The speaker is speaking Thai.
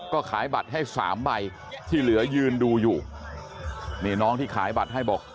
ก็ขายบัตรให้สามใบที่เหลือยืนดูอยู่นี่น้องที่ขายบัตรให้บอก